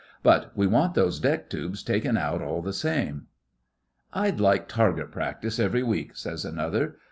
But we want those deck tubes taken out all the same.' 'I'd like target practice every week,' says another.